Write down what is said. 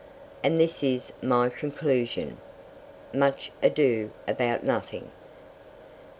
"And this is my conclusion." Much Ado About Nothing. POSTSCRIPT.